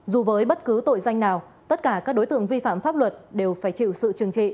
dù với bất cứ tội danh nào tất cả các đối tượng vi phạm pháp luật đều phải chịu sự trừng trị